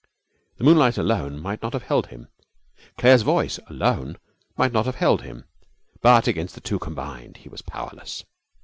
The moonlight alone might not have held him; Claire's voice alone might not have held him; but against the two combined he was powerless.